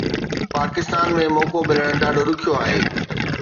پاڪستان ۾ موقعو ملڻ ڏاڍو ڏکيو آهي